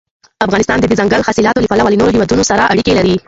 افغانستان د دځنګل حاصلات له پلوه له نورو هېوادونو سره اړیکې لري.